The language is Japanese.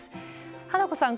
花子さん